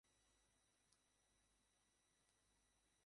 সত্যিই অনেক উঁচুনিচু।